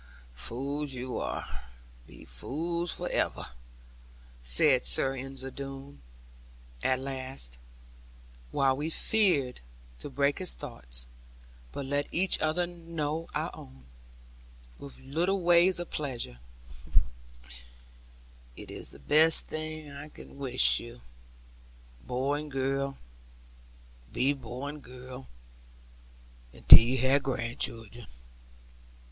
'Fools you are; be fools for ever,' said Sir Ensor Doone, at last; while we feared to break his thoughts, but let each other know our own, with little ways of pressure; 'it is the best thing I can wish you; boy and girl, be boy and girl, until you have grandchildren.'